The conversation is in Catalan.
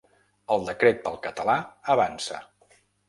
El decret pel català avança.